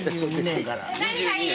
何がいい？